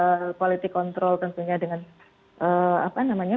kita menggunakan quality control tentunya dengan apa namanya